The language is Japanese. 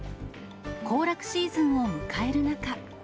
行楽シーズンを迎える中。